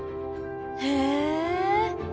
へえ。